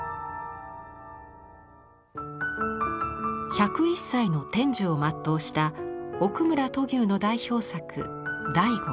１０１歳の天寿を全うした奥村土牛の代表作「醍醐」。